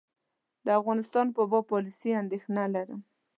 د افغانستان په باب پالیسي اندېښنه لرم.